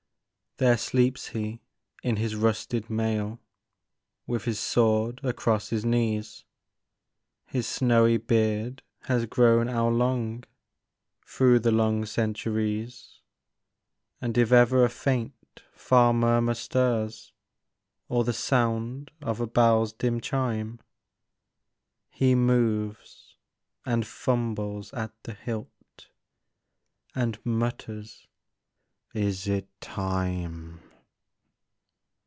There sleeps he in his rusted mail, With his sword across his knees, His snowy beard has grown ell long Through the long centuries. And if ever a faint, far murmur stirs, Or the sound of a bell's dim chime, He moves, and fumbles at the hilt, And mutters, " Is it time?